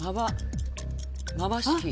まばしき。